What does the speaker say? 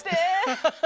アハハハ！